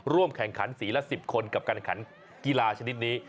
แข่งขันสีละ๑๐คนกับการขันกีฬาชนิดนี้